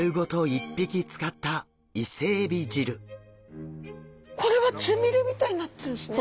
１匹使ったこれはつみれみたいになってるんですね。